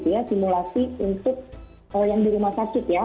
ini adalah simulasi untuk yang di rumah sakit ya